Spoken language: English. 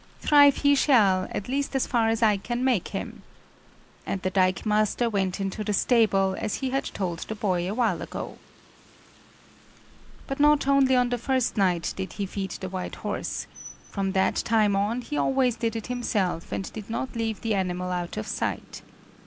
"Thrive he shall, at least as far as I can make him!" And the dikemaster went into the stable, as he had told the boy a while ago. But not only on the first night did he feed the white horse from that time on he always did it himself and did not leave the animal out of sight.